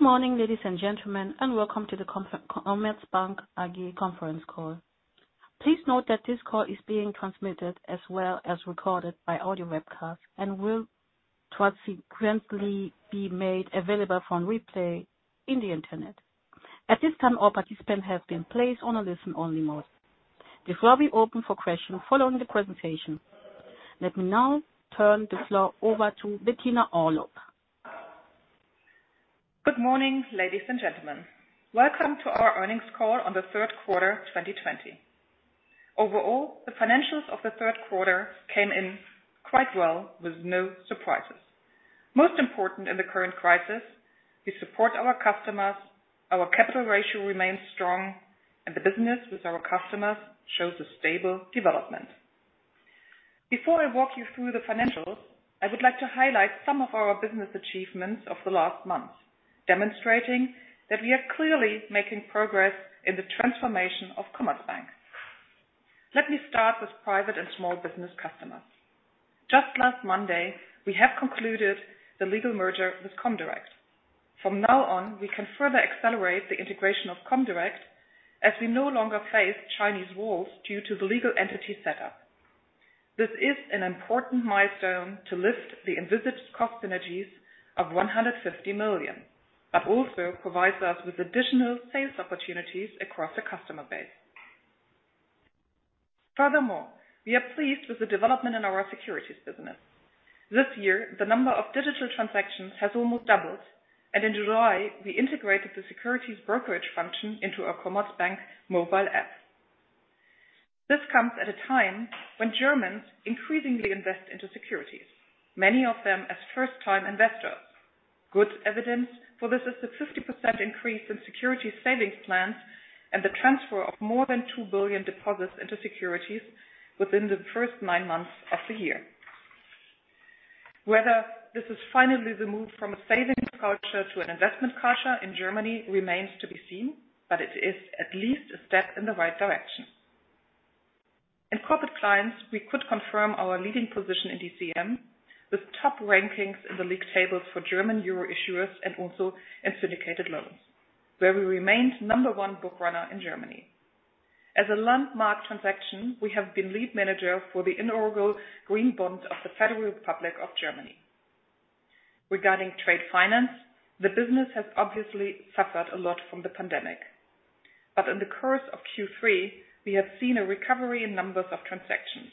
Good morning, ladies and gentlemen, and welcome to the Commerzbank Management Conference Call. Please note that this call is being transmitted as well as recorded by audio webcast and will subsequently be made available for replay on the internet. At this time, all participants have been placed on a listen-only mode. The floor will be open for questions following the presentation. Let me now turn the floor over to Bettina Orlopp. Good morning, ladies and gentlemen. Welcome to our earnings call on the Q3 2020. Overall, the financials of the Q3 came in quite well with no surprises. Most important in the current crisis, we support our customers, our capital ratio remains strong, and the business with our customers shows a stable development. Before I walk you through the financials, I would like to highlight some of our business achievements of the last month, demonstrating that we are clearly making progress in the transformation of Commerzbank. Let me start with Private and Small-Business Customers. Just last Monday, we have concluded the legal merger with Comdirect. From now on, we can further accelerate the integration of Comdirect as we no longer face Chinese walls due to the legal entity setup. This is an important milestone to lift the envisaged cost synergies of 150 million, but also provides us with additional sales opportunities across the customer base. Furthermore, we are pleased with the development in our securities business. This year, the number of digital transactions has almost doubled, and in July, we integrated the securities brokerage function into our Commerzbank mobile app. This comes at a time when Germans increasingly invest into securities, many of them as first-time investors. Good evidence for this is the 50% increase in securities savings plans and the transfer of more than 2 billion deposits into securities within the first nine months of the year. Whether this is finally the move from a savings culture to an investment culture in Germany remains to be seen, but it is at least a step in the right direction. In Corporate Clients, we could confirm our leading position in DCM with top rankings in the league tables for German Euro issuers and also in syndicated loans, where we remained number one bookrunner in Germany. As a landmark transaction, we have been lead manager for the inaugural green bond of the Federal Republic of Germany. Regarding trade finance, the business has obviously suffered a lot from the pandemic, but in the course of Q3, we have seen a recovery in numbers of transactions,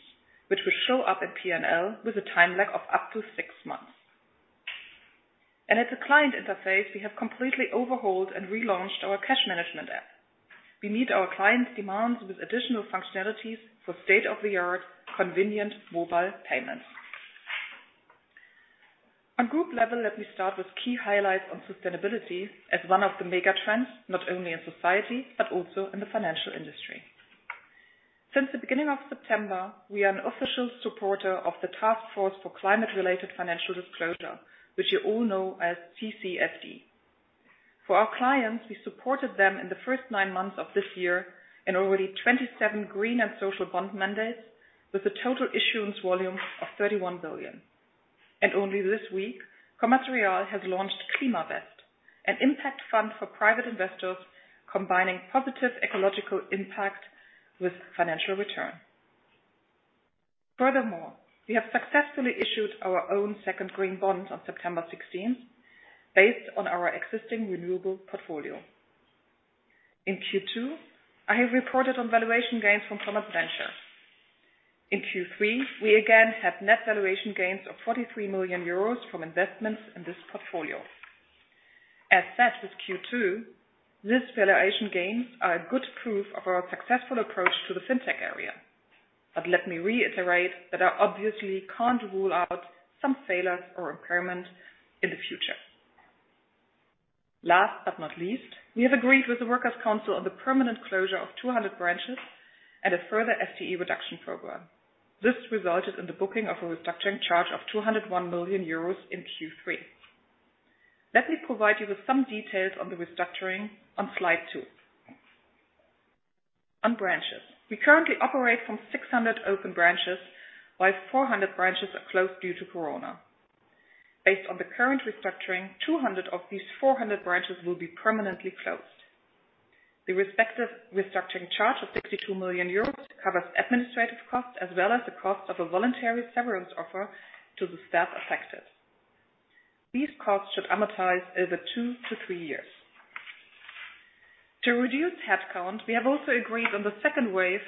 which will show up in P&L with a time lag of up to six months and at the client interface, we have completely overhauled and relaunched our cash management app. We meet our clients' demands with additional functionalities for state-of-the-art, convenient mobile payments. On group level, let me start with key highlights on sustainability as one of the mega trends, not only in society, but also in the financial industry. Since the beginning of September, we are an official supporter of the Task Force on Climate-related Financial Disclosures, which you all know as TCFD. For our clients, we supported them in the first nine months of this year in over 27 green and social bond mandates with a total issuance volume of 31 billion, and only this week, Commerz Real has launched klimaVest, an impact fund for private investors combining positive ecological impact with financial return. Furthermore, we have successfully issued our own second green bond on September 16th based on our existing renewable portfolio. In Q2, I have reported on valuation gains from Commerz Ventures. In Q3, we again had net valuation gains of 43 million euros from investments in this portfolio. As said with Q2, these valuation gains are good proof of our successful approach to the fintech area, but let me reiterate that I obviously can't rule out some failures or impairment in the future. Last but not least, we have agreed with the Works Council on the permanent closure of 200 branches and a further FTE reduction program. This resulted in the booking of a restructuring charge of 201 million euros in Q3. Let me provide you with some details on the restructuring on Slide 2. On branches, we currently operate from 600 open branches, while 400 branches are closed due to Corona. Based on the current restructuring, 200 of these 400 branches will be permanently closed. The respective restructuring charge of 62 million euros covers administrative costs as well as the cost of a voluntary severance offer to the staff affected. These costs should amortize over two to three years. To reduce headcount, we have also agreed on the second wave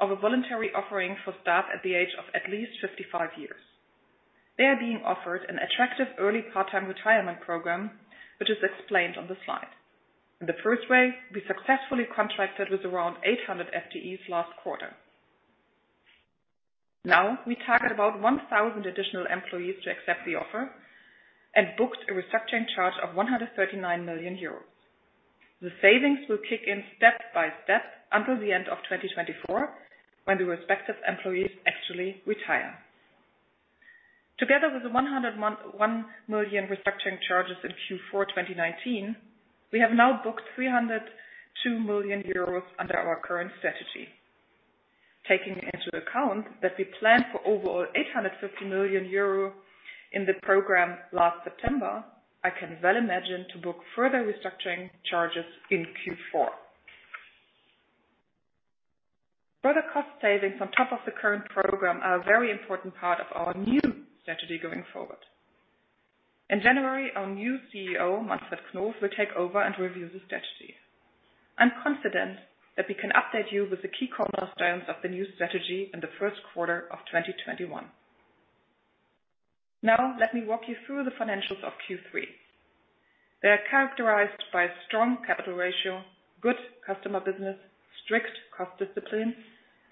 of a voluntary offering for staff at the age of at least 55 years. They are being offered an attractive early part-time retirement program, which is explained on the Slide. In the first wave, we successfully contracted with around 800 FTEs last quarter. Now, we target about 1,000 additional employees to accept the offer and booked a restructuring charge of 139 million euros. The savings will kick in step by step until the end of 2024 when the respective employees actually retire. Together with the 101 million restructuring charges in Q4 2019, we have now booked 302 million euros under our current strategy. Taking into account that we planned for overall 850 million euro in the program last September, I can well imagine to book further restructuring charges in Q4. Further cost savings on top of the current program are a very important part of our new strategy going forward. In January, our new CEO, Manfred Knof, will take over and review the strategy. I'm confident that we can update you with the key cornerstones of the new strategy in the Q1 of 2021. Now, let me walk you through the financials of Q3. They are characterized by a strong capital ratio, good customer business, strict cost discipline,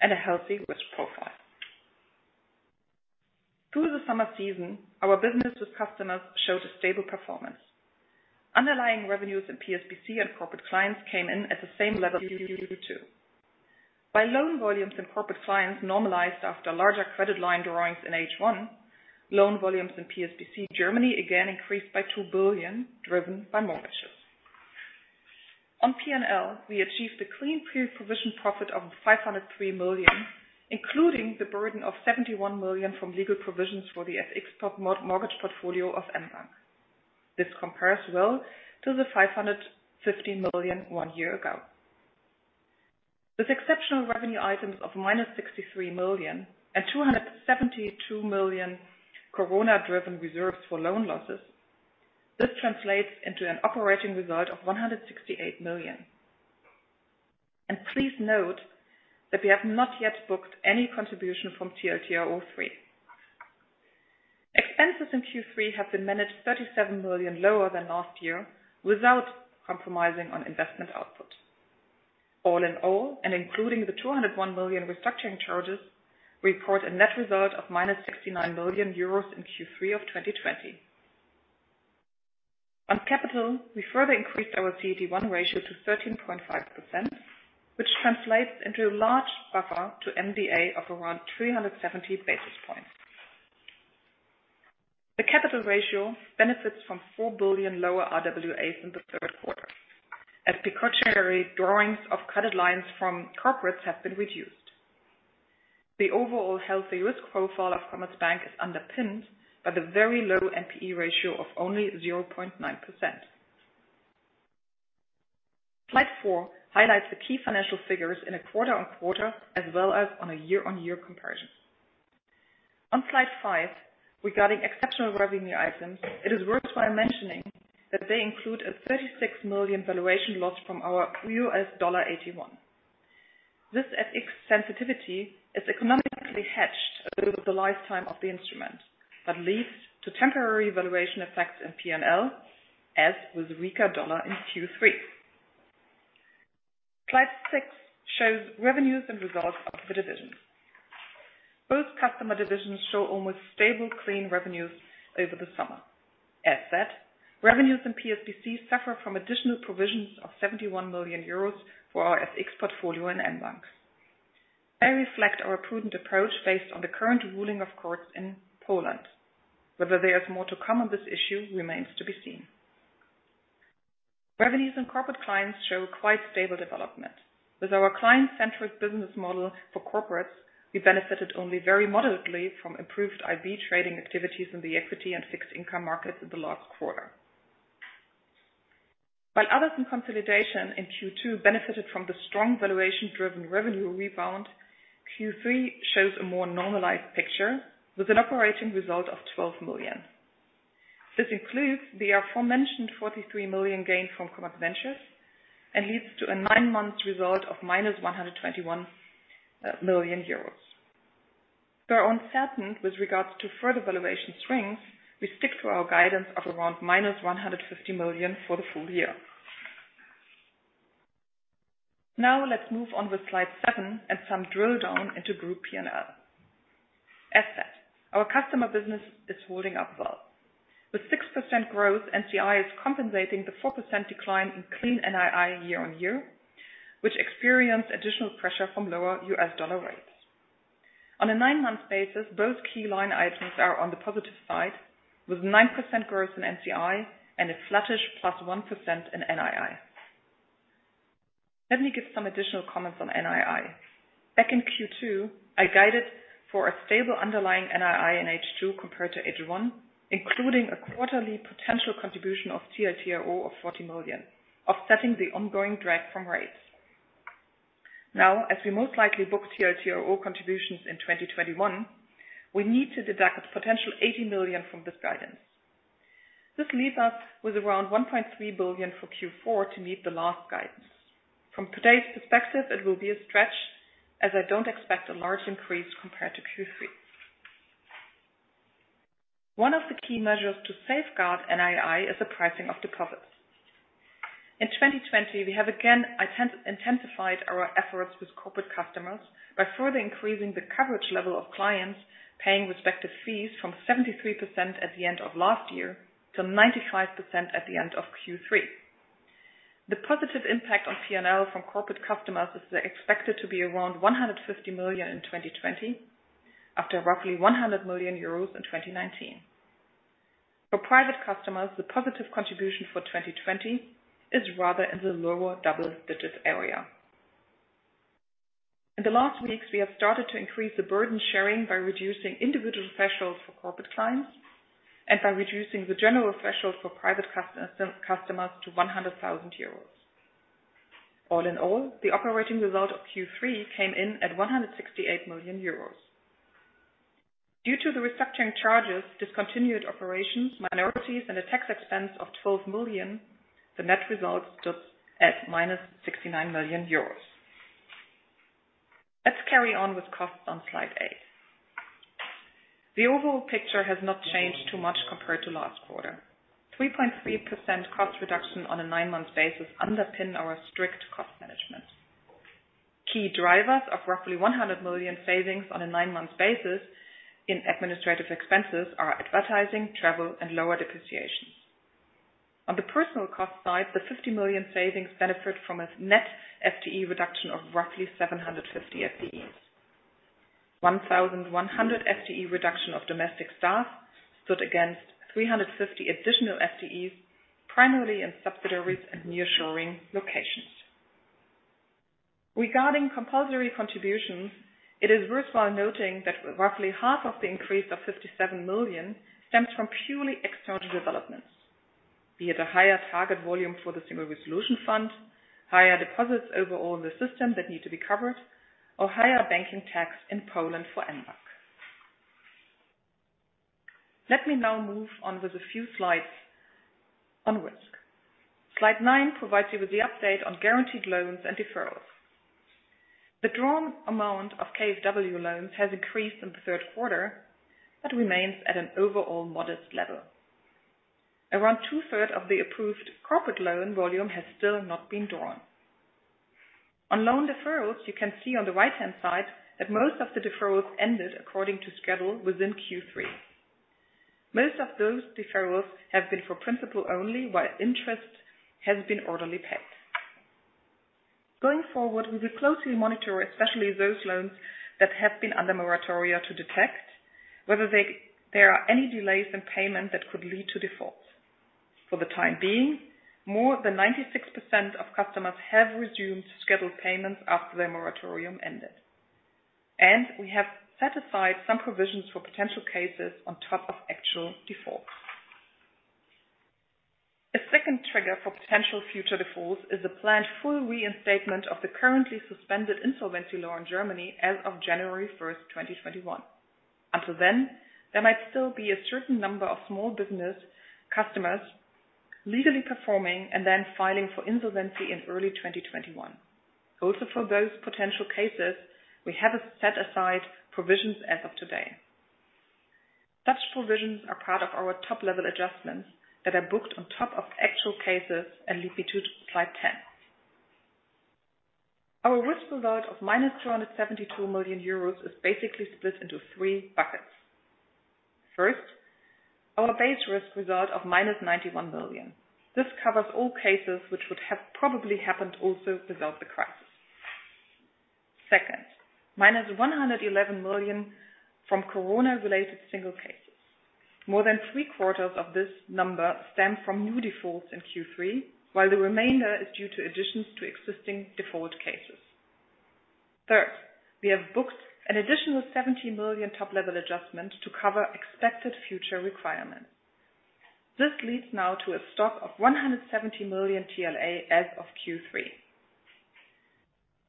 and a healthy risk profile. Through the summer season, our business with customers showed a stable performance. Underlying revenues in PSBC and Corporate Clients came in at the same level as Q2. While loan volumes in Corporate Clients normalized after larger credit line drawings in H1, loan volumes in PSBC Germany again increased by 2 billion, driven by mortgages. On P&L, we achieved a clean pre-provision profit of 503 million, including the burden of 71 million from legal provisions for the FX mortgage portfolio of mBank. This compares well to the 550 million one year ago. With exceptional revenue items of minus 63 million and 272 million Corona-driven reserves for loan losses, this translates into an operating result of 168 million. And please note that we have not yet booked any contribution from TLTRO III. Expenses in Q3 have been managed 37 million lower than last year without compromising on investment output. All in all, and including the 201 million restructuring charges, we report a net result of minus 69 million euros in Q3 of 2020. On capital, we further increased our CET1 ratio to 13.5%, which translates into a large buffer to MDA of around 370 basis points. The capital ratio benefits from 4 billion lower RWAs in the Q3, as precautionary drawings of credit lines from corporates have been reduced. The overall healthy risk profile of Commerzbank is underpinned by the very low NPE ratio of only 0.9%. Slide 4 highlights the key financial figures in a quarter-on-quarter as well as on a year-on-year comparison. On Slide 5, regarding exceptional revenue items, it is worthwhile mentioning that they include a 36 million valuation loss from our Athene. This FX sensitivity is economically hedged over the lifetime of the instrument, but leads to temporary valuation effects in P&L, as with the weaker dollar in Q3. Slide 6 shows revenues and results of the divisions. Both customer divisions show almost stable, clean revenues over the summer. As said, revenues in PSBC suffer from additional provisions of 71 million euros for our FX portfolio in mBank. They reflect our prudent approach based on the current ruling of courts in Poland. Whether there is more to come on this issue remains to be seen. Revenues in Corporate Clients show quite stable development. With our client-centric business model for corporates, we benefited only very moderately from improved IB trading activities in the equity and fixed income markets in the last quarter. While others in consolidation in Q2 benefited from the strong valuation-driven revenue rebound, Q3 shows a more normalized picture with an operating result of 12 million. This includes the aforementioned 43 million gain from Commerzbank shares and leads to a nine-month result of minus 121 million euros. We're uncertain with regards to further valuation swings. We stick to our guidance of around minus 150 million for the full year. Now, let's move on with Slide 7 and some drill down into group P&L. As said, our customer business is holding up well. With 6% growth, NCI is compensating the 4% decline in clean NII year on year, which experienced additional pressure from lower U.S. dollar rates. On a nine-month basis, both key line items are on the positive side with 9% growth in NCI and a flattish plus 1% in NII. Let me give some additional comments on NII. Back in Q2, I guided for a stable underlying NII in H2 compared to H1, including a quarterly potential contribution of TLTRO of 40 million, offsetting the ongoing drag from rates. Now, as we most likely book TLTRO contributions in 2021, we need to deduct potential 80 million from this guidance. This leaves us with around 1.3 billion for Q4 to meet the last guidance. From today's perspective, it will be a stretch, as I don't expect a large increase compared to Q3. One of the key measures to safeguard NII is the pricing of deposits. In 2020, we have again intensified our efforts with corporate customers by further increasing the coverage level of clients paying respective fees from 73% at the end of last year to 95% at the end of Q3. The positive impact on P&L from corporate customers is expected to be around 150 million in 2020, after roughly 100 million euros in 2019. For private customers, the positive contribution for 2020 is rather in the lower double-digit area. In the last weeks, we have started to increase the burden sharing by reducing individual thresholds for Corporate Clients and by reducing the general threshold for private customers to 100,000 euros. All in all, the operating result of Q3 came in at 168 million euros. Due to the restructuring charges, discontinued operations, minorities, and a tax expense of 12 million, the net result stood at - 69 million euros. Let's carry on with costs on Slide 8. The overall picture has not changed too much compared to last quarter. 3.3% cost reduction on a nine-month basis underpins our strict cost management. Key drivers of roughly 100 million savings on a nine-month basis in administrative expenses are advertising, travel, and lower depreciations. On the personal cost side, the 50 million savings benefit from a net FTE reduction of roughly 750 FTEs. 1,100 FTE reduction of domestic staff stood against 350 additional FTEs, primarily in subsidiaries and nearshoring locations. Regarding compulsory contributions, it is worthwhile noting that roughly half of the increase of 57 million stems from purely external developments, be it a higher target volume for the Single Resolution Fund, higher deposits overall in the system that need to be covered, or higher banking tax in Poland for mBank. Let me now move on with a few Slides on risk. Slide 9 provides you with the update on guaranteed loans and deferrals. The drawn amount of KfW loans has increased in the Q3, but remains at an overall modest level. Around two-thirds of the approved corporate loan volume has still not been drawn. On loan deferrals, you can see on the right-hand side that most of the deferrals ended according to schedule within Q3. Most of those deferrals have been for principal only, while interest has been orderly paid. Going forward, we will closely monitor, especially those loans that have been under moratoria to detect whether there are any delays in payment that could lead to defaults. For the time being, more than 96% of customers have resumed scheduled payments after their moratorium ended, and we have set aside some provisions for potential cases on top of actual defaults. A second trigger for potential future defaults is the planned full reinstatement of the currently suspended insolvency law in Germany as of January 1st, 2021. Until then, there might still be a certain number of small business customers legally performing and then filing for insolvency in early 2021. Also, for those potential cases, we have set aside provisions as of today. Such provisions are part of our top-level adjustments that are booked on top of actual cases and lead into Slide 10. Our risk result of minus 272 million euros is basically split into three buckets. First, our base risk result of minus 91 million. This covers all cases which would have probably happened also without the crisis. Second, minus 111 million from Corona-related single cases. More than three quarters of this number stem from new defaults in Q3, while the remainder is due to additions to existing default cases. Third, we have booked an additional 70 million top-level adjustment to cover expected future requirements. This leads now to a stock of 170 million TLA as of Q3.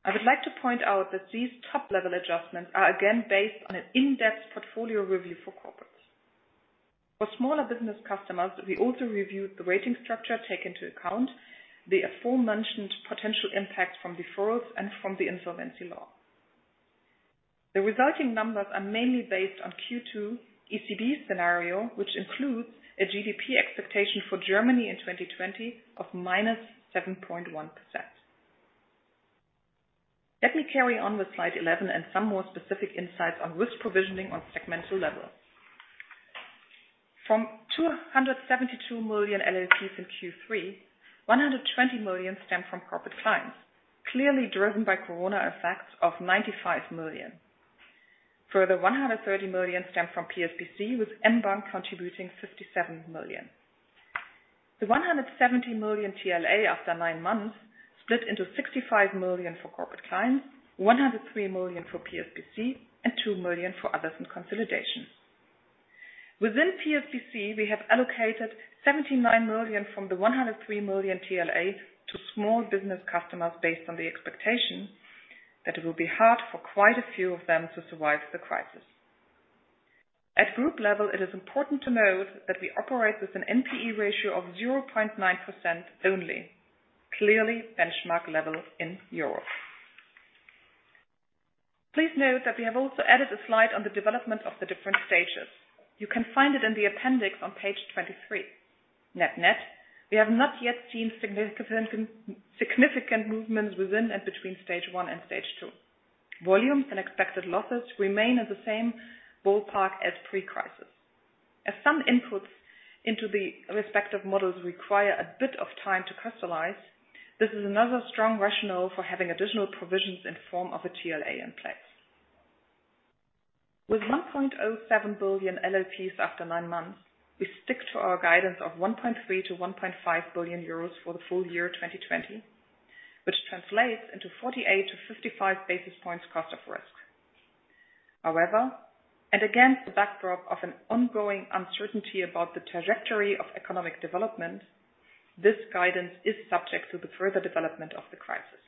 I would like to point out that these top-level adjustments are again based on an in-depth portfolio review for corporates. For smaller business customers, we also reviewed the rating structure taken into account, the aforementioned potential impact from deferrals, and from the insolvency law. The resulting numbers are mainly based on Q2 ECB scenario, which includes a GDP expectation for Germany in 2020 of -7.1%. Let me carry on with Slide 11 and some more specific insights on risk provisioning on segmental level. From 272 million LLPs in Q3, 120 million stem from Corporate Clients, clearly driven by Corona effects of 95 million. Further, 130 million stem from PSBC, with mBank contributing 57 million. The 170 million TLA after nine months split into 65 million for Corporate Clients, 103 million for PSBC, and two million for others in consolidation. Within PSBC, we have allocated 79 million from the 103 million TLA to small business customers based on the expectation that it will be hard for quite a few of them to survive the crisis. At group level, it is important to note that we operate with an NPE ratio of 0.9% only, clearly benchmark level in Europe. Please note that we have also added a Slide on the development of the different stages. You can find it in the appendix on Page 23. Net net, we have not yet seen significant movements within and between stage 1 and stage 2. Volumes and expected losses remain in the same ballpark as pre-crisis. As some inputs into the respective models require a bit of time to crystallize, this is another strong rationale for having additional provisions in the form of a TLA in place. With 1.07 billion LLPs after nine months, we stick to our guidance of 1.3 billion-1.5 billion euros for the full year 2020, which translates into 48-55 basis points cost of risk. However, and against the backdrop of an ongoing uncertainty about the trajectory of economic development, this guidance is subject to the further development of the crisis.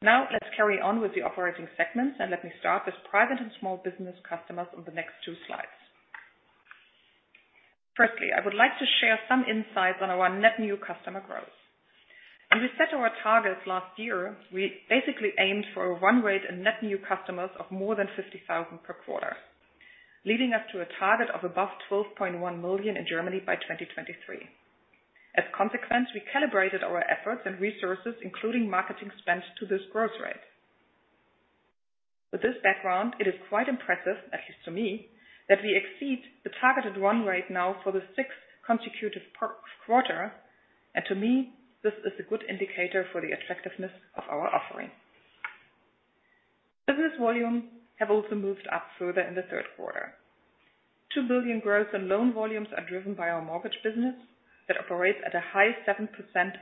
Now, let's carry on with the operating segments, and let me start with Private and Small-Business Customers on the next two Slides. Firstly, I would like to share some insights on our net new customer growth. When we set our targets last year, we basically aimed for a run rate in net new customers of more than 50,000 per quarter, leading us to a target of above 12.1 million in Germany by 2023. As a consequence, we calibrated our efforts and resources, including marketing spend, to this growth rate. With this background, it is quite impressive, at least to me, that we exceed the targeted run rate now for the sixth consecutive quarter, and to me, this is a good indicator for the attractiveness of our offering. Business volumes have also moved up further in the Q3. Eur 2 billion growth in loan volumes are driven by our mortgage business that operates at a high 7%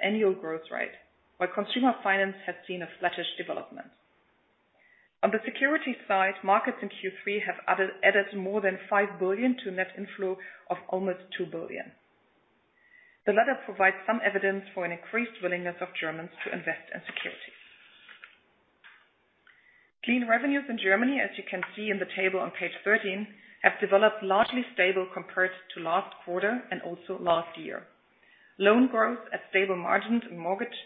annual growth rate, while Consumer Finance has seen a flattish development. On the securities side, markets in Q3 have added more than 5 billion to net inflow of almost 2 billion. The latter provides some evidence for an increased willingness of Germans to invest in securities. Clean revenues in Germany, as you can see in the table on Page 13, have developed largely stable compared to last quarter and also last year. Loan growth at stable margins in mortgage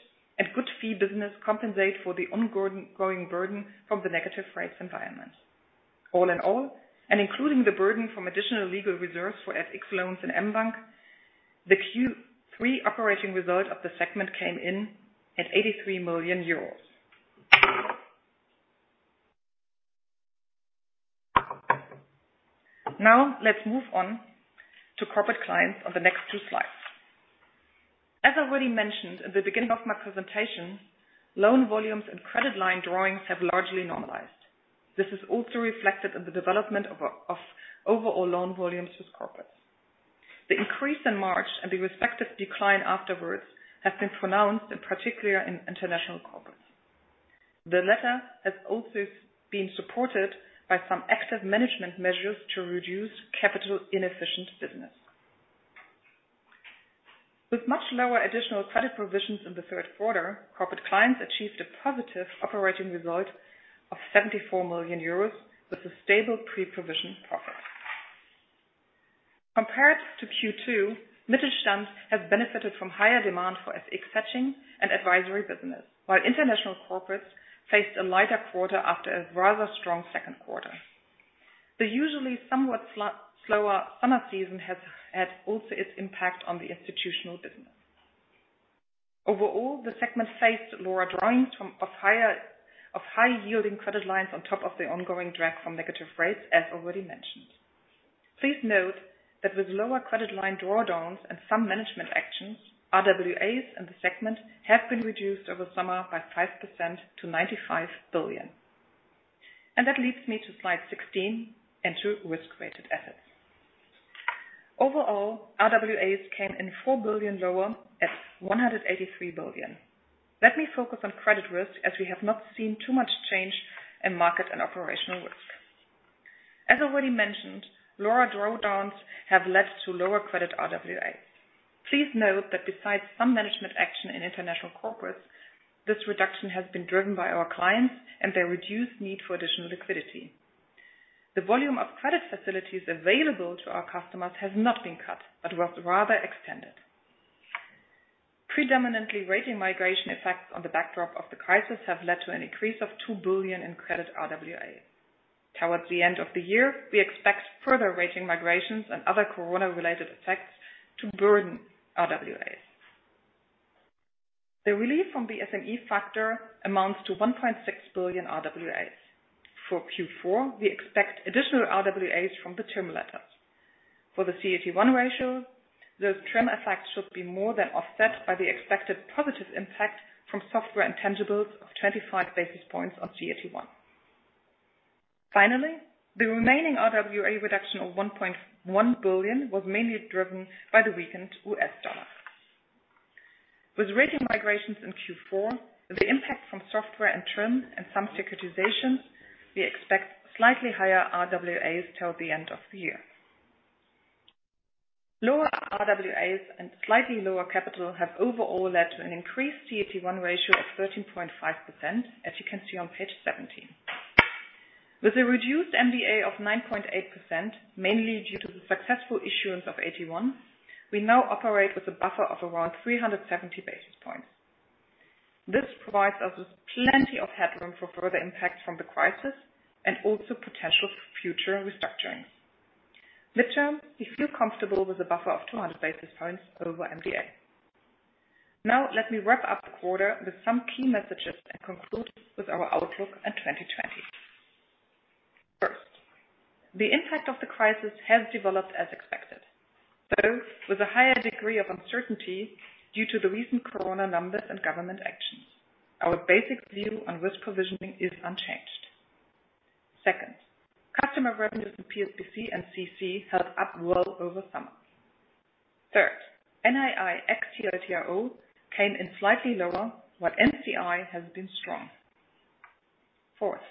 and good fee business compensate for the ongoing burden from the negative rates environment. All in all, and including the burden from additional legal reserves for FX loans in mBank, the Q3 operating result of the segment came in at 83 million euros. Now, let's move on to Corporate Clients on the next two Slides. As I already mentioned in the beginning of my presentation, loan volumes and credit line drawings have largely normalized. This is also reflected in the development of overall loan volumes with corporates. The increase in March and the respective decline afterwards have been pronounced, in particular in International Corporates. The latter has also been supported by some active management measures to reduce capital inefficient business. With much lower additional credit provisions in the Q3, Corporate Clients achieved a positive operating result of 74 million euros with a stable pre-provision profit. Compared to Q2, Mittelstand has benefited from higher demand for FX hedging and advisory business, while International Corporates faced a lighter quarter after a rather strong Q2. The usually somewhat slower summer season has had also its impact on the institutional business. Overall, the segment faced lower drawings of high-yielding credit lines on top of the ongoing drag from negative rates, as already mentioned. Please note that with lower credit line drawdowns and some management actions, RWAs in the segment have been reduced over summer by 5% to 95 billion. And that leads me to Slide 16 and to risk-weighted assets. Overall, RWAs came in 4 billion lower at 183 billion. Let me focus on credit risk, as we have not seen too much change in market and operational risk. As already mentioned, lower drawdowns have led to lower credit RWAs. Please note that besides some management action in International Corporates, this reduction has been driven by our clients and their reduced need for additional liquidity. The volume of credit facilities available to our customers has not been cut, but was rather extended. Predominantly, rating migration effects on the backdrop of the crisis have led to an increase of 2 billion in credit RWA. Towards the end of the year, we expect further rating migrations and other Corona-related effects to burden RWAs. The relief from the SME factor amounts to 1.6 billion RWAs. For Q4, we expect additional RWAs from the TRIM letters. For the CET1 ratio, those TRIM effects should be more than offset by the expected positive impact from software intangibles of 25 basis points on CET1. Finally, the remaining RWA reduction of 1.1 billion was mainly driven by the weakened US dollar. With rating migrations in Q4, the impact from software and TRIM and some securitizations, we expect slightly higher RWAs toward the end of the year. Lower RWAs and slightly lower capital have overall led to an increased CET1 ratio of 13.5%, as you can see on Page 17. With a reduced MDA of 9.8%, mainly due to the successful issuance of AT1, we now operate with a buffer of around 370 basis points. This provides us with plenty of headroom for further impact from the crisis and also potential future restructurings. Midterm, we feel comfortable with a buffer of 200 basis points over MDA. Now, let me wrap up the quarter with some key messages and conclude with our outlook on 2020. First, the impact of the crisis has developed as expected, though with a higher degree of uncertainty due to the recent Corona numbers and government actions. Our basic view on risk provisioning is unchanged. Second, customer revenues in PSBC and CC held up well over summer. Third, NII ex-TLTRO came in slightly lower, while NCI has been strong. Fourth,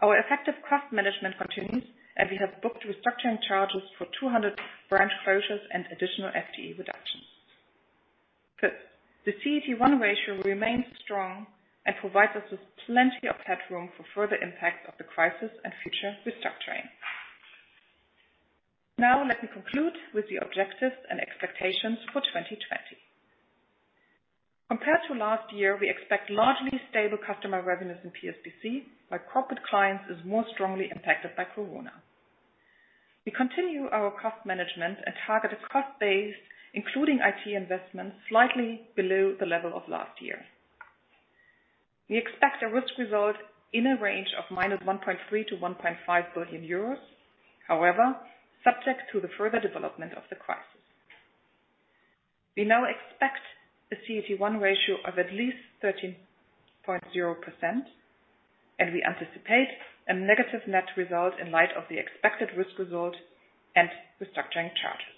our effective cost management continues, and we have booked restructuring charges for 200 branch closures and additional FTE reductions. Fifth, the CET1 ratio remains strong and provides us with plenty of headroom for further impacts of the crisis and future restructuring. Now, let me conclude with the objectives and expectations for 2020. Compared to last year, we expect largely stable customer revenues in PSBC, while Corporate Clients are more strongly impacted by Corona. We continue our cost management and targeted cost base, including IT investments, slightly below the level of last year. We expect a risk result in a range of minus 1.3 billion to 1.5 billion euros, however, subject to the further development of the crisis. We now expect a CET1 ratio of at least 13.0%, and we anticipate a negative net result in light of the expected risk result and restructuring charges.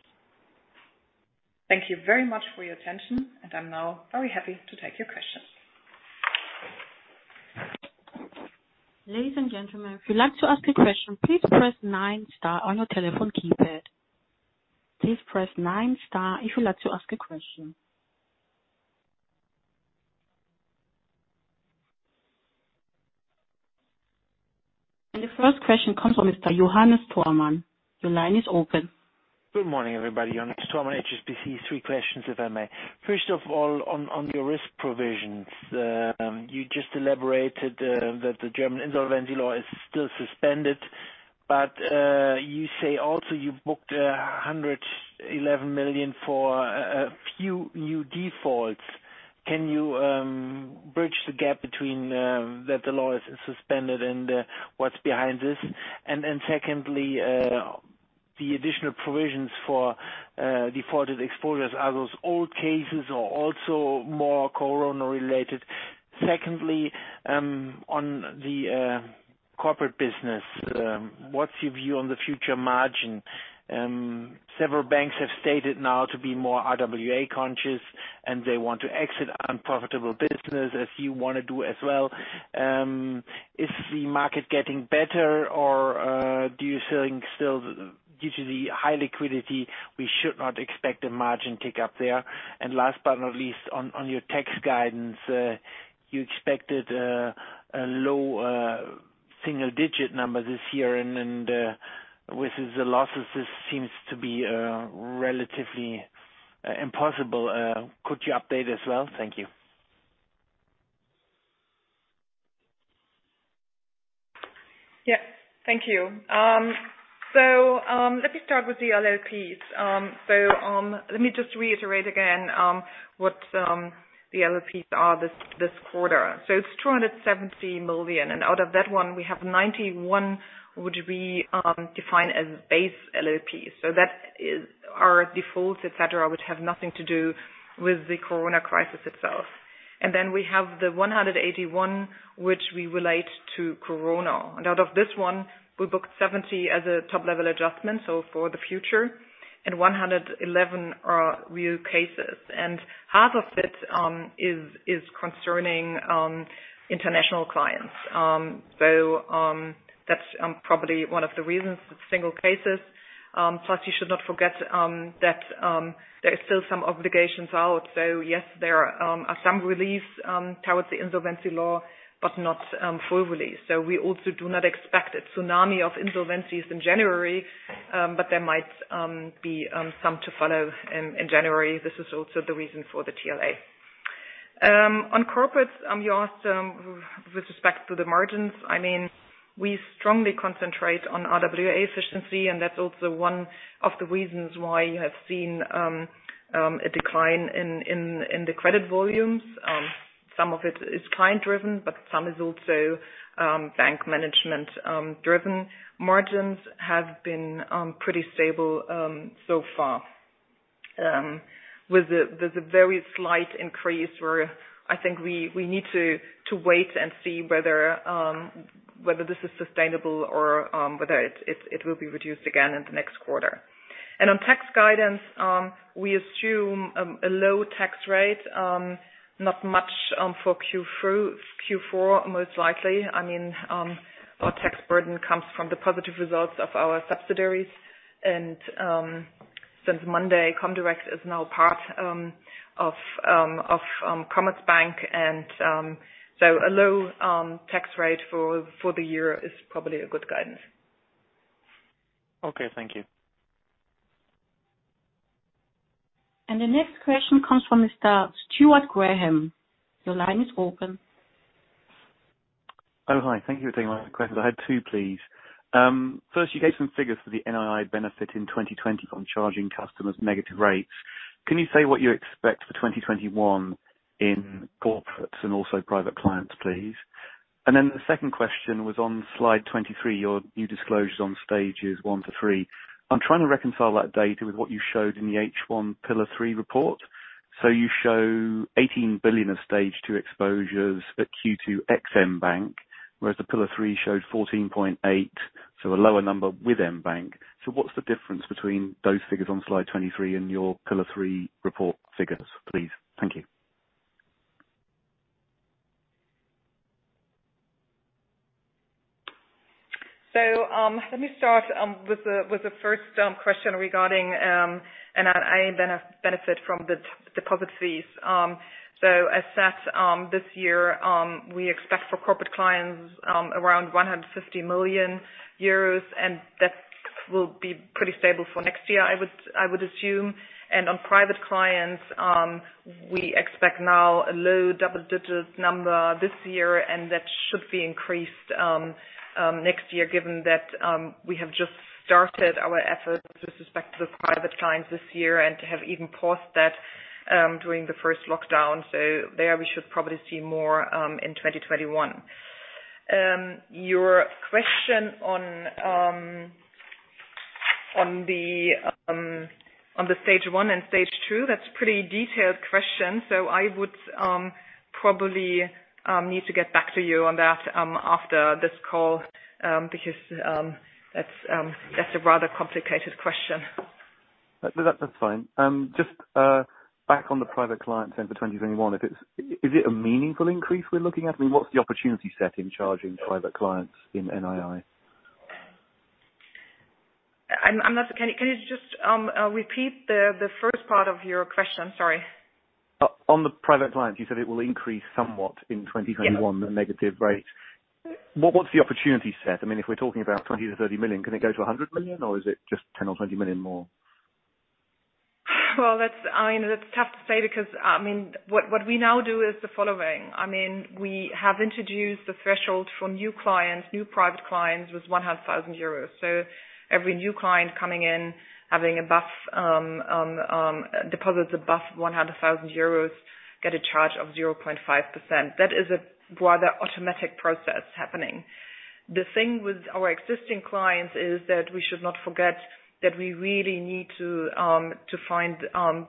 Thank you very much for your attention, and I'm now very happy to take your questions. Ladies and gentlemen, if you'd like to ask a question, please press 9 star on your telephone keypad. Please press 9 star if you'd like to ask a question. And the first question comes from Mr. Johannes Thormann. Your line is open. Good morning, everybody. Johannes Thormann, HSBC, three questions, if I may. First of all, on your risk provisions, you just elaborated that the German insolvency law is still suspended, but you say also you booked 111 million for a few new defaults. Can you bridge the gap between that the law is suspended and what's behind this? And secondly, the additional provisions for defaulted exposures, are those old cases or also more Corona-related? Secondly, on the corporate business, what's your view on the future margin? Several banks have stated now to be more RWA conscious, and they want to exit unprofitable business, as you want to do as well. Is the market getting better, or do you think still, due to the high liquidity, we should not expect a margin tick up there? And last but not least, on your tax guidance, you expected a low single-digit number this year, and with the losses, this seems to be relatively impossible. Could you update as well? Thank you. Yep. Thank you. So let me start with the LLPs. So let me just reiterate again what the LLPs are this quarter. So it's 270 million, and out of that one, we have 91, which we define as base LLPs. So that is our defaults, etc., which have nothing to do with the Corona crisis itself. And then we have the 181, which we relate to Corona. And out of this one, we booked 70 as a top-level adjustment, so for the future, and 111 are real cases. And half of it is concerning international clients. So that's probably one of the reasons it's single cases. Plus, you should not forget that there are still some obligations out. So yes, there are some reliefs towards the insolvency law, but not full relief. So we also do not expect a tsunami of insolvencies in January, but there might be some to follow in January. This is also the reason for the TLA. On corporates, you asked with respect to the margins. I mean, we strongly concentrate on RWA efficiency, and that's also one of the reasons why you have seen a decline in the credit volumes. Some of it is client-driven, but some is also bank management-driven. Margins have been pretty stable so far, with a very slight increase where I think we need to wait and see whether this is sustainable or whether it will be reduced again in the next quarter. And on tax guidance, we assume a low tax rate, not much for Q4, most likely. I mean, our tax burden comes from the positive results of our subsidiaries. And since Monday, Comdirect is now part of Commerzbank, and so a low tax rate for the year is probably a good guidance. Okay. Thank you. And the next question comes from Mr. Stuart Graham. Your line is open. Hello. Hi. Thank you for taking my questions. I had two, please. First, you gave some figures for the NII benefit in 2020 from charging customers negative rates. Can you say what you expect for 2021 in corporates and also private clients, please? And then the second question was on Slide 23, your new disclosures on stages one to three. I'm trying to reconcile that data with what you showed in the H1 Pillar 3 report. So you show 18 billion of stage 2 exposures at Q2 ex-mBank, whereas the Pillar 3 showed 14.8, so a lower number with mBank. So what's the difference between those figures on Slide 23 and your Pillar 3 report figures, please? Thank you. So let me start with the first question regarding NII benefit from the deposit fees. So as set, this year, we expect for Corporate Clients around 150 million euros, and that will be pretty stable for next year, I would assume. And on private clients, we expect now a low double-digit number this year, and that should be increased next year, given that we have just started our efforts with respect to the private clients this year and have even paused that during the first lockdown. So there, we should probably see more in 2021. Your question on the Stage 1 and Stage 2, that's a pretty detailed question. So I would probably need to get back to you on that after this call because that's a rather complicated question. That's fine. Just back on the private client end for 2021, is it a meaningful increase we're looking at? I mean, what's the opportunity set in charging private clients in NII? Can you just repeat the first part of your question? Sorry. On the private clients, you said it will increase somewhat in 2021, the negative rate. What's the opportunity set? I mean, if we're talking about 20-30 million, can it go to 100 million, or is it just 10 or 20 million more? Well, I mean, that's tough to say because, I mean, what we now do is the following. I mean, we have introduced the threshold for new clients, new private clients, with 100,000 euros. So every new client coming in, having deposits above 100,000 euros, gets a charge of 0.5%. That is a rather automatic process happening. The thing with our existing clients is that we should not forget that we really need to find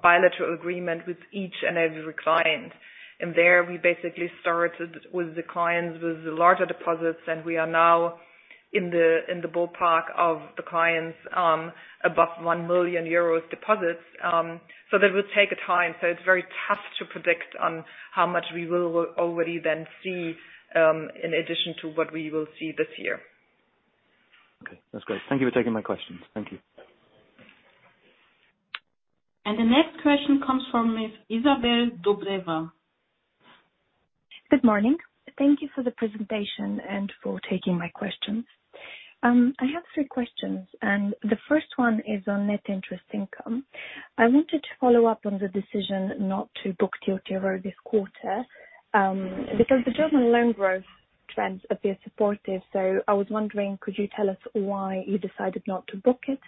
bilateral agreement with each and every client, and there we basically started with the clients with the larger deposits, and we are now in the ballpark of the clients above 1 million euros deposits, so that will take time, so it's very tough to predict on how much we will already then see in addition to what we will see this year. Okay. That's great. Thank you for taking my questions. Thank you. And the next question comes from Ms. Izabel Dobreva. Good morning. Thank you for the presentation and for taking my questions. I have three questions, and the first one is on net interest income. I wanted to follow up on the decision not to book TLTRO this quarter because the German loan growth trends appear supportive. So I was wondering, could you tell us why you decided not to book it?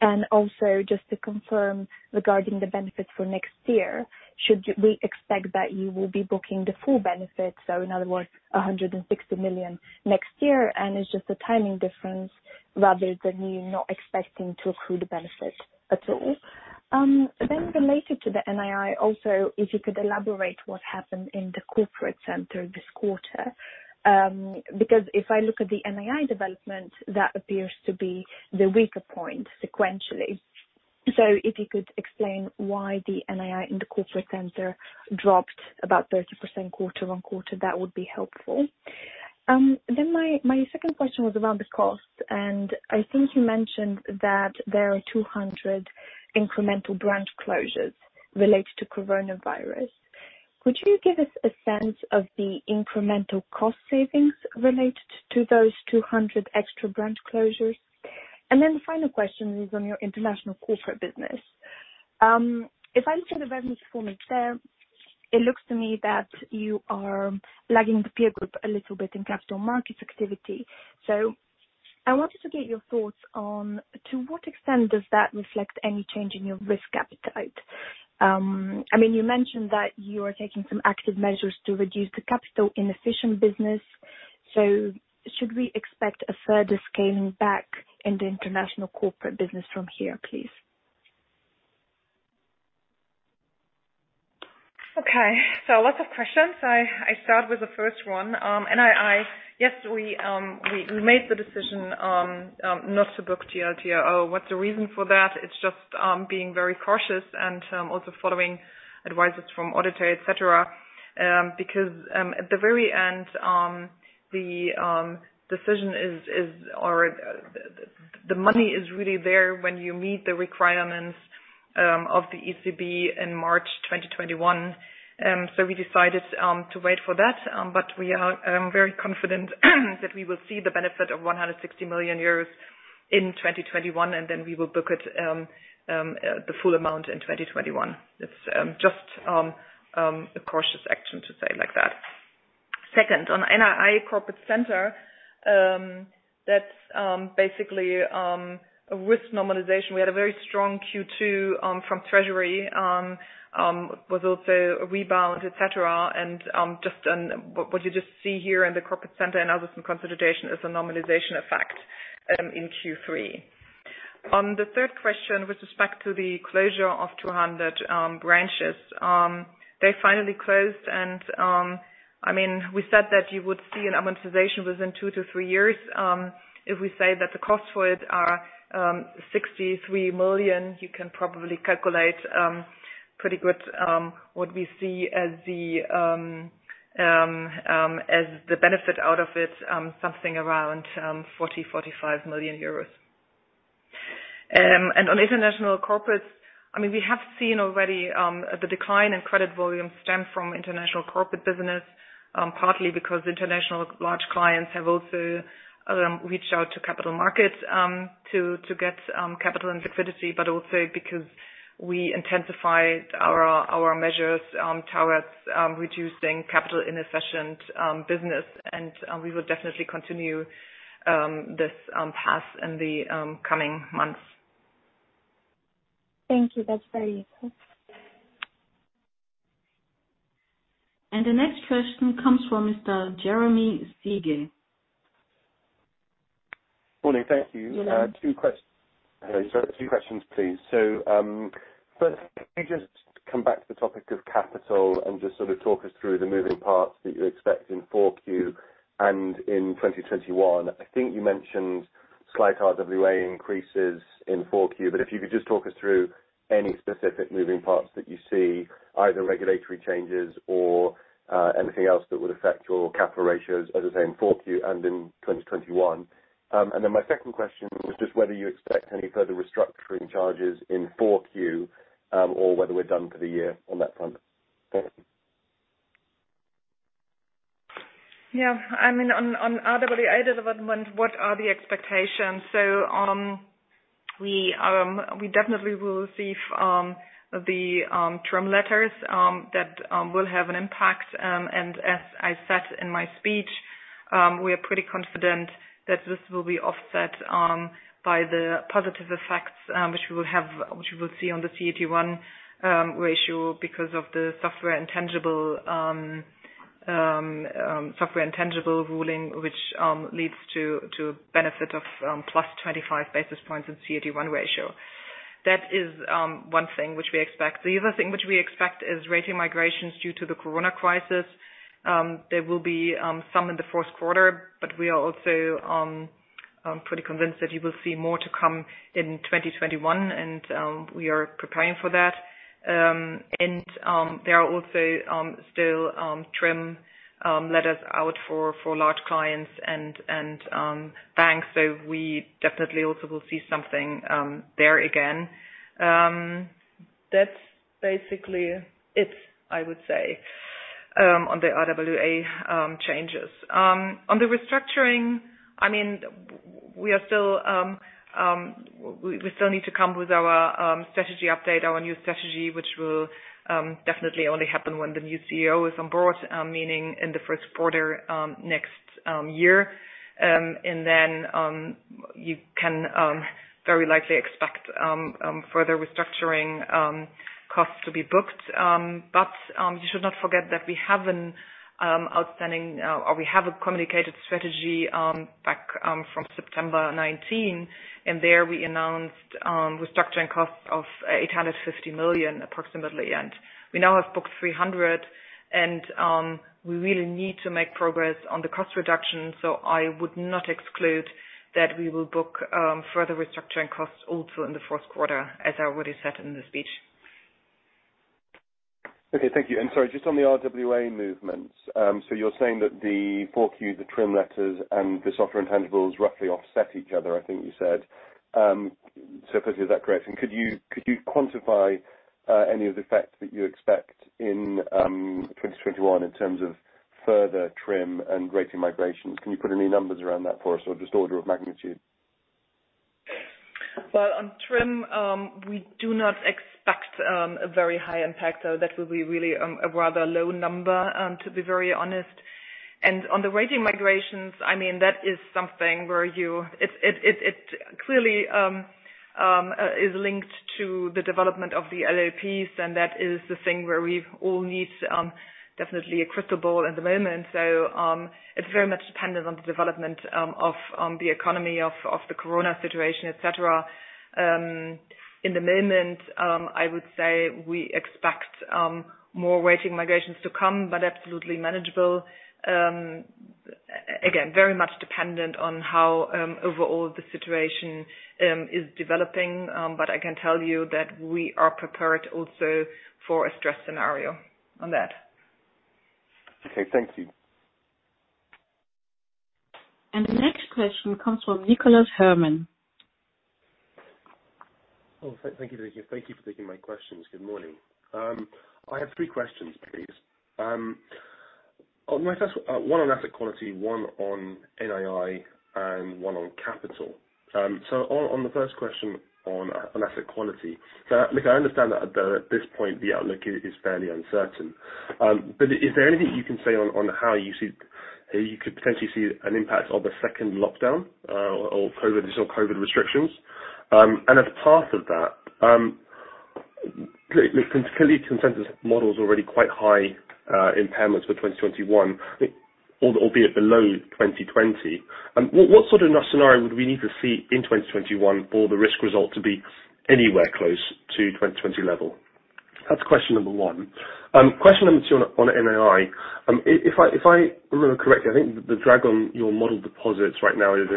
And also, just to confirm regarding the benefits for next year, should we expect that you will be booking the full benefit? So in other words, 160 million next year, and it's just a timing difference rather than you not expecting to accrue the benefit at all. Then related to the NII, also, if you could elaborate what happened in the Corporate Center this quarter because if I look at the NII development, that appears to be the weaker point sequentially. So if you could explain why the NII in the Corporate Center dropped about 30% quarter on quarter, that would be helpful. Then my second question was around the cost, and I think you mentioned that there are 200 incremental branch closures related to Coronavirus. Could you give us a sense of the incremental cost savings related to those 200 extra branch closures? And then the final question is on your international corporate business. If I look at the revenue performance there, it looks to me that you are lagging the peer group a little bit in capital markets activity. So I wanted to get your thoughts on to what extent does that reflect any change in your risk appetite? I mean, you mentioned that you are taking some active measures to reduce the capital inefficient business. So should we expect a further scaling back in the international corporate business from here, please? Okay. So lots of questions. I start with the first one. NII, yes, we made the decision not to book TLTRO. What's the reason for that? It's just being very cautious and also following advice from auditor, etc., because at the very end, the decision is or the money is really there when you meet the requirements of the ECB in March 2021, so we decided to wait for that, but we are very confident that we will see the benefit of 160 million euros in 2021, and then we will book the full amount in 2021. It's just a cautious action to say like that. Second, on NII corporate center, that's basically a risk normalization. We had a very strong Q2 from Treasury, was also a rebound, etc., and just what you just see here in the corporate center and others in consideration is a normalization effect in Q3. On the third question with respect to the closure of 200 branches, they finally closed, and I mean, we said that you would see an amortization within two to three years. If we say that the cost for it are 63 million, you can probably calculate pretty good what we see as the benefit out of it, something around 40-45 million euros. And on International Corporates, I mean, we have seen already the decline in credit volume stem from international corporate business, partly because international large clients have also reached out to capital markets to get capital and liquidity, but also because we intensified our measures towards reducing capital inefficient business, and we will definitely continue this path in the coming months. Thank you. That's very useful. And the next question comes from Mr. Jeremy Sigee. Morning. Thank you. Two questions, please. So first, can you just come back to the topic of capital and just sort of talk us through the moving parts that you're expecting for Q4 and in 2021? I think you mentioned slight RWA increases in Q4, but if you could just talk us through any specific moving parts that you see, either regulatory changes or anything else that would affect your capital ratios as it's in Q4 and in 2021? And then my second question was just whether you expect any further restructuring charges in Q or whether we're done for the year on that front. Thank you. Yeah. I mean, on RWA development, what are the expectations? So we definitely will receive the TRIM letters that will have an impact. And as I said in my speech, we are pretty confident that this will be offset by the positive effects which we will have which we will see on the CET1 ratio because of the software intangible ruling, which leads to a benefit of plus 25 basis points in CET1 ratio. That is one thing which we expect. The other thing which we expect is rating migrations due to the Corona crisis. There will be some in the Q4, but we are also pretty convinced that you will see more to come in 2021, and we are preparing for that. And there are also still TRIM letters out for large clients and banks, so we definitely also will see something there again. That's basically it, I would say, on the RWA changes. On the restructuring, I mean, we still need to come with our strategy update, our new strategy, which will definitely only happen when the new CEO is on board, meaning in the Q1 next year. And then you can very likely expect further restructuring costs to be booked. But you should not forget that we have an outstanding or we have a communicated strategy back from September 2019, and there we announced restructuring costs of 850 million approximately, and we now have booked 300 million, and we really need to make progress on the cost reduction. So I would not exclude that we will book further restructuring costs also in the Q4, as I already said in the speech. Okay. Thank you. And sorry, just on the RWA movements, so you're saying that the Q4, the TRIM letters, and the software intangibles roughly offset each other, I think you said. So if I see that correct, and could you quantify any of the effects that you expect in 2021 in terms of further TRIM and rating migrations? Can you put any numbers around that for us or just order of magnitude? Well, on TRIM, we do not expect a very high impact. So that will be really a rather low number, to be very honest. And on the rating migrations, I mean, that is something where it clearly is linked to the development of the LLPs, and that is the thing where we all need definitely a crystal ball at the moment. So it's very much dependent on the development of the economy, of the Corona situation, etc. In the moment, I would say we expect more rating migrations to come, but absolutely manageable. Again, very much dependent on how overall the situation is developing, but I can tell you that we are prepared also for a stress scenario on that. Okay. Thank you. And the next question comes from Nicholas Herman. Thank you, Liz. Thank you for taking my questions. Good morning. I have three questions, please. One on asset quality, one on NII, and one on capital. So on the first question on asset quality, look, I understand that at this point, the outlook is fairly uncertain, but is there anything you can say on how you could potentially see an impact of the second lockdown or COVID restrictions? And as part of that, particularly consensus model is already quite high impairments for 2021, albeit below 2020. What sort of scenario would we need to see in 2021 for the risk result to be anywhere close to 2020 level? That's question number one. Question number two on NII, if I remember correctly, I think the drag on your model deposits right now is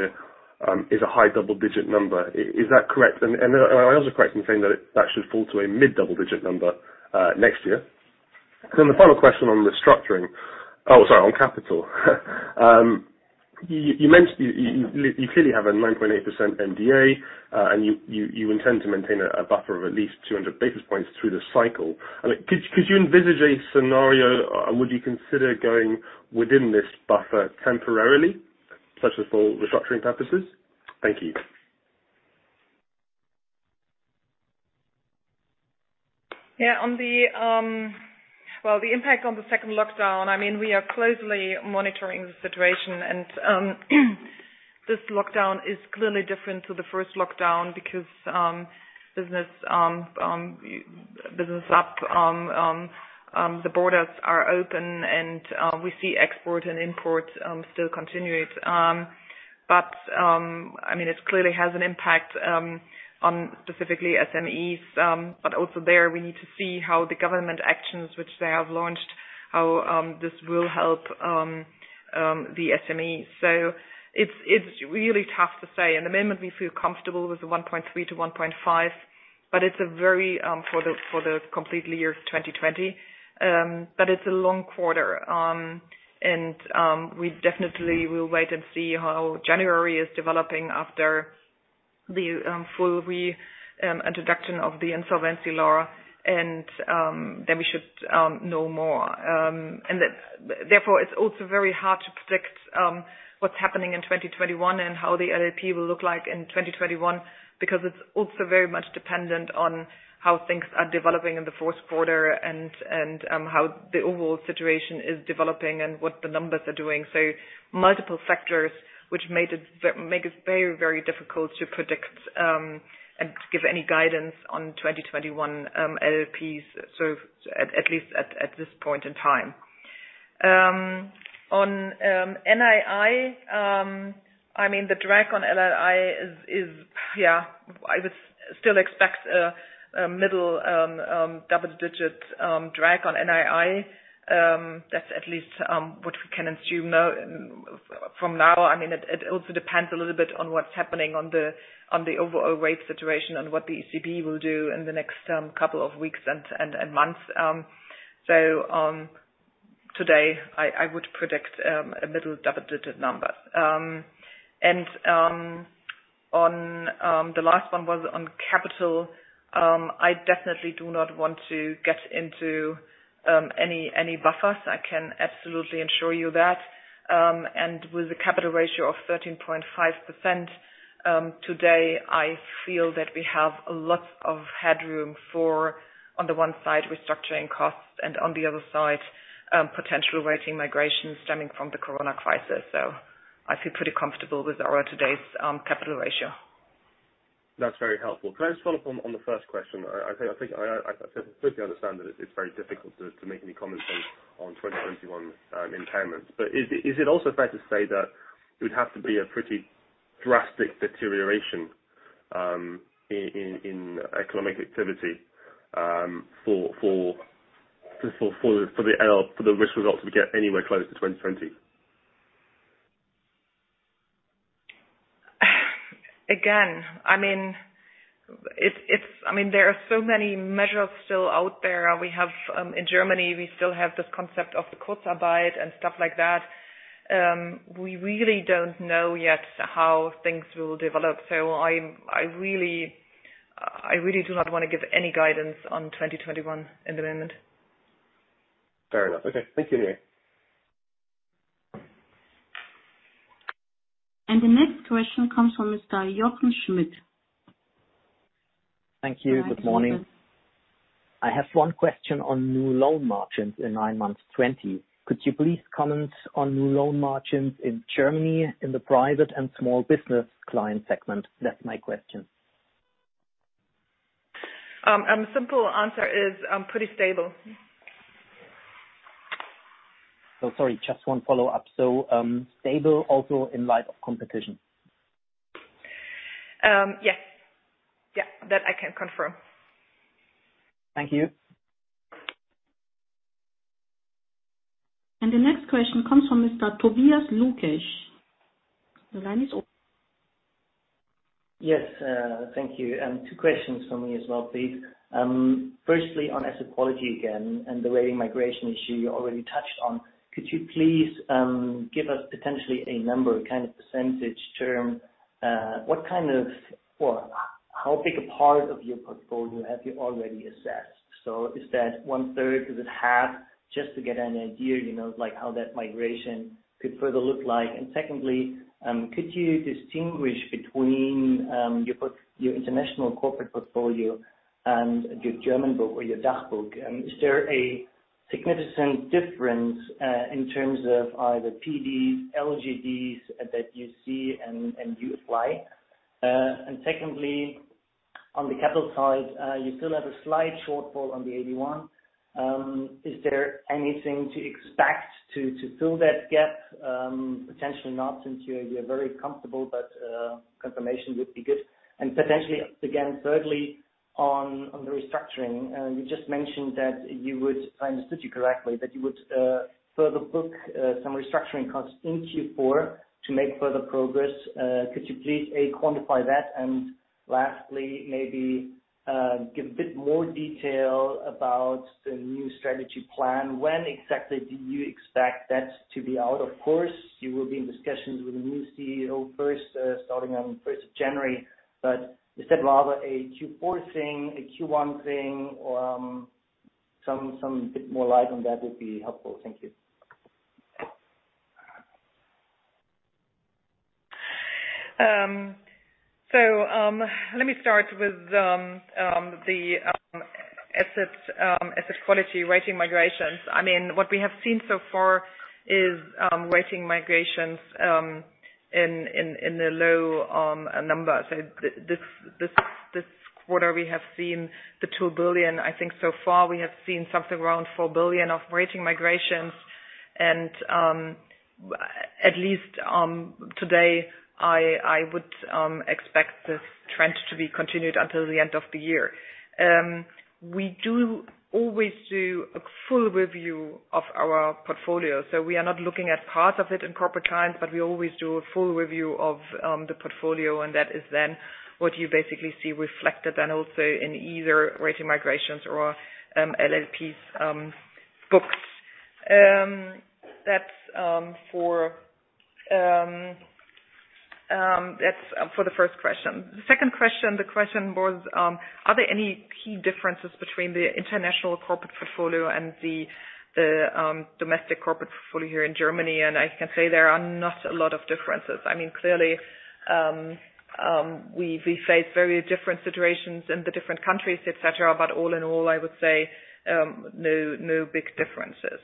a high double-digit number. Is that correct? And am I also correct in saying that that should fall to a mid-double-digit number next year. And then the final question on restructuring. Oh, sorry, on capital. You clearly have a 9.8% MDA, and you intend to maintain a buffer of at least 200 basis points through the cycle. I mean, could you envisage a scenario? Would you consider going within this buffer temporarily, such as for restructuring purposes? Thank you. Yeah. The impact on the second lockdown, I mean, we are closely monitoring the situation, and this lockdown is clearly different to the first lockdown because business up, the borders are open, and we see export and import still continuing. But I mean, it clearly has an impact on specifically SMEs, but also there, we need to see how the government actions which they have launched, how this will help the SMEs. It's really tough to say. In the moment, we feel comfortable with the 1.3-1.5, but it's a view for the complete year 2020, but it's a long quarter, and we definitely will wait and see how January is developing after the full reintroduction of the insolvency law, and then we should know more. And therefore, it's also very hard to predict what's happening in 2021 and how the LLP will look like in 2021 because it's also very much dependent on how things are developing in the Q4 and how the overall situation is developing and what the numbers are doing. So multiple factors which make it very, very difficult to predict and give any guidance on 2021 LLPs, at least at this point in time. On NII, I mean, the drag on NII is, yeah, I would still expect a middle double-digit drag on NII. That's at least what we can assume from now. I mean, it also depends a little bit on what's happening on the overall rate situation and what the ECB will do in the next couple of weeks and months. So today, I would predict a middle double-digit number. And on the last one was on capital, I definitely do not want to get into any buffers. I can absolutely ensure you that. And with a capital ratio of 13.5% today, I feel that we have lots of headroom for, on the one side, restructuring costs and on the other side, potential rating migrations stemming from the Corona crisis. So I feel pretty comfortable with our today's capital ratio. That's very helpful. Can I just follow up on the first question? I think I completely understand that it's very difficult to make any comments on 2021 impairments, but is it also fair to say that it would have to be a pretty drastic deterioration in economic activity for the risk results to get anywhere close to 2020? Again, I mean, there are so many measures still out there. In Germany, we still have this concept of the Kurzarbeit and stuff like that. We really don't know yet how things will develop. So I really do not want to give any guidance on 2021 in the moment. Fair enough. Okay. Thank you anyway. And the next question comes from Mr. Jochen Schmitt. T Thank you. Good morning. I have one question on new loan margins in nine months 2020. Could you please comment on new loan margins in Germany in the private and small business client segment? That's my question. Simple answer is pretty stable. Oh, sorry. Just one follow-up. So stable also in light of competition? Yes. Yeah. That I can confirm. Thank you. And the next question comes from Mr. Tobias Lukesch. The line is open. Yes. Thank you. Two questions for me as well, please. Firstly, on asset quality again and the rating migration issue you already touched on, could you please give us potentially a number, kind of percentage term? What kind of or how big a part of your portfolio have you already assessed? So is that one-third, is it half? Just to get an idea how that migration could further look like. And secondly, could you distinguish between your international corporate portfolio and your German book or your DACH book? Is there a significant difference in terms of either PDs, LGDs that you see and you apply? And secondly, on the capital side, you still have a slight shortfall on the AT1. Is there anything to expect to fill that gap? Potentially not since you're very comfortable, but confirmation would be good. And potentially, again, thirdly, on the restructuring, you just mentioned that you would, if I understood you correctly, that you would further book some restructuring costs in Q4 to make further progress. Could you please A, quantify that? And lastly, maybe give a bit more detail about the new strategy plan. When exactly do you expect that to be out? Of course, you will be in discussions with the new CEO first, starting on 1st of January, but is that rather a Q4 thing, a Q1 thing, or some bit more light on that would be helpful. Thank you. So let me start with the asset quality rating migrations. I mean, what we have seen so far is rating migrations in the low number. So this quarter, we have seen 2 billion. I think so far, we have seen something around 4 billion of rating migrations. And at least today, I would expect this trend to be continued until the end of the year. We do always do a full review of our portfolio. So we are not looking at parts of it in Corporate Clients, but we always do a full review of the portfolio, and that is then what you basically see reflected then also in either rating migrations or LLPs booked. That's for the first question. The second question, the question was, are there any key differences between the international corporate portfolio and the domestic corporate portfolio here in Germany? And I can say there are not a lot of differences. I mean, clearly, we face very different situations in the different countries, etc. But all in all, I would say no big differences.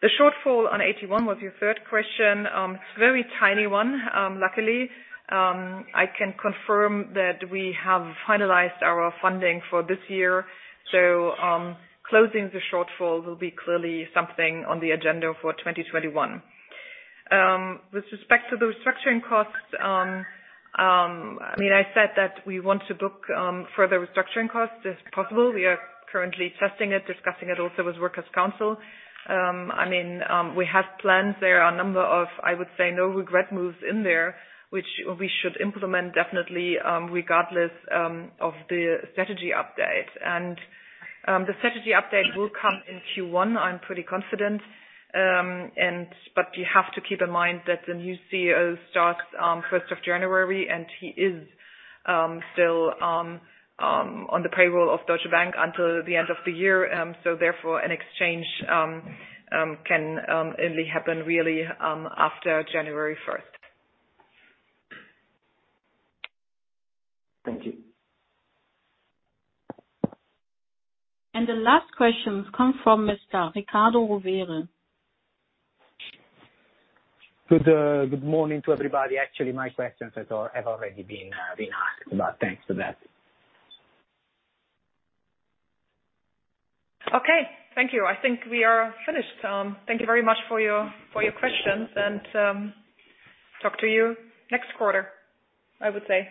The shortfall on AT1 was your third question. It's a very tiny one, luckily. I can confirm that we have finalized our funding for this year, so closing the shortfall will be clearly something on the agenda for 2021. With respect to the restructuring costs, I mean, I said that we want to book further restructuring costs if possible. We are currently testing it, discussing it also with Works Council. I mean, we have plans. There are a number of, I would say, no-regret moves in there, which we should implement definitely regardless of the strategy update, and the strategy update will come in Q1, I'm pretty confident, but you have to keep in mind that the new CEO starts 1st of January, and he is still on the payroll of Deutsche Bank until the end of the year, so therefore, an exchange can only happen really after January 1st. and the last questions come from Mr. Riccardo Rovere. Good morning to everybody. Actually, my questions have already been asked, but thanks for that. Okay. Thank you. I think we are finished. Thank you very much for your questions, and talk to you next quarter, I would say.